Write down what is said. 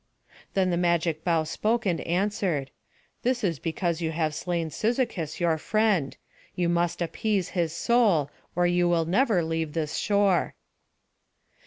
Then the magic bough spoke and answered: "This is because you have slain Cyzicus your friend. You must appease his soul, or you will never leave this shore."